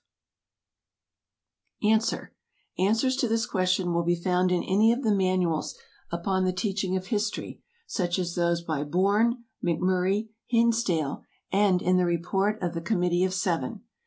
S. S. F. ANS. Answers to this question will be found in any of the manuals upon the teaching of history, such as those by Bourne, McMurray, Hinsdale, and in the Report of the Committee of Seven.